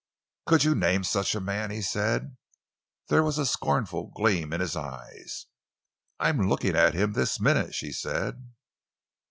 "Could you name such a man?" he said. There was a scornful gleam in his eyes. "I am looking at him this minute!" she said.